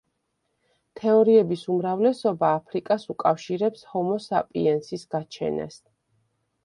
თეორიების უმრავლესობა აფრიკას უკავშირებს ჰომო საპიენსის გაჩენას.